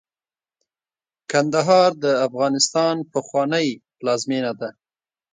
کندهار د افغانستان پخوانۍ پلازمېنه ده.